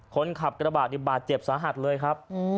คนขับกระบาดนี่บาดเจ็บสาหัสเลยครับ